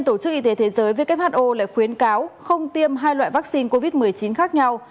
tổ chức y tế thế giới who lại khuyến cáo không tiêm hai loại vaccine covid một mươi chín khác nhau